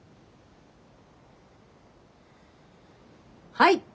はい！